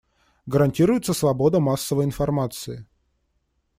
Гарантируется свобода массовой информации.